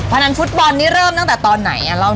พนันฟุตบอลนี่เริ่มตั้งแต่ตอนไหน